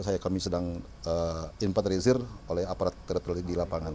saya kami sedang inventarisir oleh aparat teratologi di lapangan